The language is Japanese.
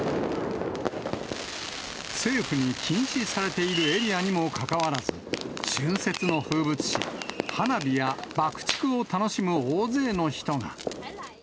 政府に禁止されているエリアにもかかわらず、春節の風物詩、花火や爆竹を楽しむ大勢の人が。